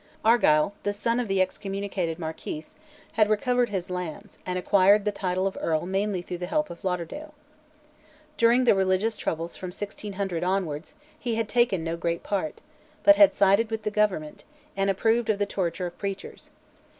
Argyll, the son of the executed Marquis, had recovered his lands, and acquired the title of Earl mainly through the help of Lauderdale. During the religious troubles from 1660 onwards he had taken no great part, but had sided with the Government, and approved of the torture of preachers.